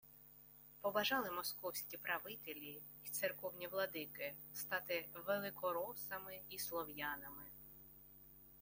Побажали московські правителі й церковні владики стати великоросами і слов'янами